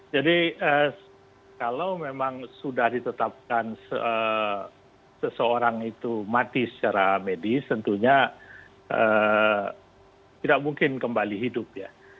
jadi kalau memang sudah ditetapkan seseorang itu mati secara medis tentunya tidak mungkin kembali hidup ya